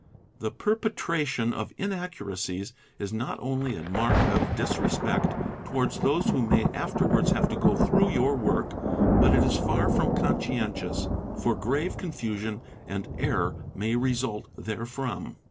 The perpetration of inaccuracies is not only a mark of disrespect towards those who may afterwards have to go through Ron work, but it is far from conscientious, for grave confusion and error _ may result therefrom.